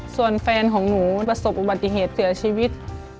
ส่วนแฟนของหนูประสบอุบัติเหตุเสียชีวิต